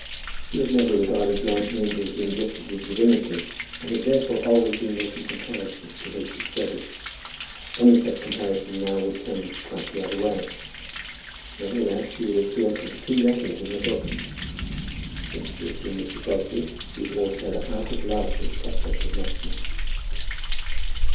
She had never regarded John Eames as being gifted with divinity, and had therefore always been making comparisons to his discredit. Any such comparison now would tend quite the other way. Nevertheless she would adhere to the two letters in her book. Since she had seen Mr. Crosbie she was altogether out of love with the prospect of matrimony.